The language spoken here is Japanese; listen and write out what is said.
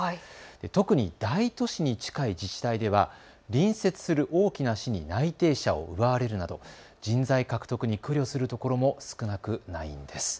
特に大都市に近い自治体では隣接する大きな市に内定者を奪われるなど人材獲得に苦慮するところも少なくないんです。